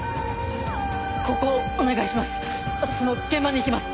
ここをお願いします